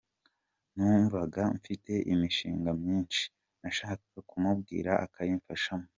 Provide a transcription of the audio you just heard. Numvaga mfite imishinga myinshi nashakaga kumubwira akayimfashamo.